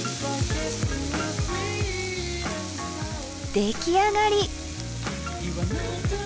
出来上がり。